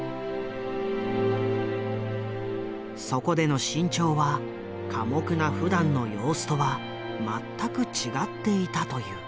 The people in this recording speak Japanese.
そこでの志ん朝は寡黙なふだんの様子とは全く違っていたという。